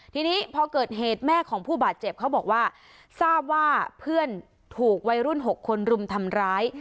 ทีนี้พอเกิดเหตุแม่ของผู้บาดเจ็บเขาบอกว่าทราบว่าเพื่อนถูกวัยรุ่น๖คนรุมทำร้าย